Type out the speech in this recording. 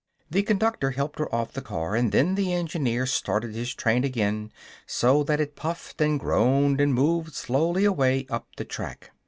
The conductor helped her off the car and then the engineer started his train again, so that it puffed and groaned and moved slowly away up the track.